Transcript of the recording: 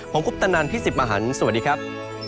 ผมกุ๊ปตะนันท์พี่สิบมหันฯสวัสดีครับ